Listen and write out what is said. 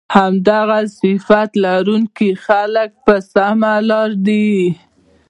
همدغه صفت لرونکي خلک په سمه لار دي